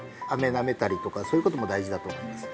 なめたりとかそういうことも大事だと思いますね